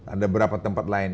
ada berapa tempat lain